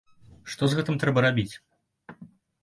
Што з гэтым трэба рабіць?